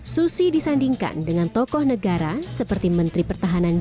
susi disandingkan dengan tokoh negara seperti menteri pertahanan